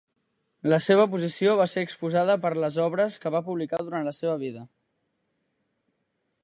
La seva posició va ser exposada per les obres que va publicar durant la seva vida.